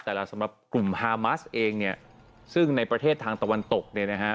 สำหรับสำหรับกลุ่มฮามัสเองเนี่ยซึ่งในประเทศทางตะวันตกเนี่ยนะฮะ